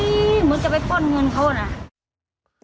เหมือนจะไปป้นเงินเขานะ